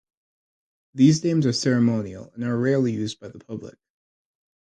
These names are ceremonial, and are rarely used by the public.